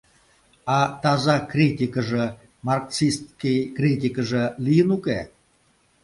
А таза критикыже, маркситский критикыже, лийын, уке?